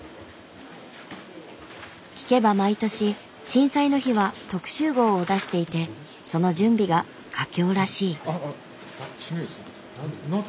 聞けば毎年震災の日は特集号を出していてその準備が佳境らしい。